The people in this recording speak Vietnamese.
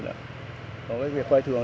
năm thứ hai mươi